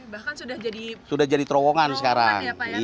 bahkan sudah jadi terowongan sekarang